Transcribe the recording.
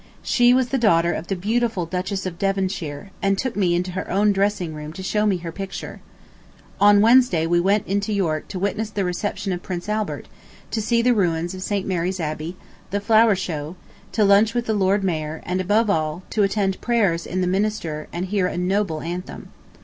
She was the daughter of the beautiful Duchess of Devonshire, and took me into her own dressing room to show me her picture. ... On Wednesday we went into York to witness the reception of Prince Albert, to see the ruins of St. Mary's Abbey, the Flower Show, to lunch with the Lord Mayor, and above all, to attend prayers in the Minister and hear a noble anthem.